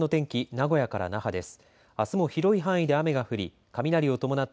名古屋から那覇です。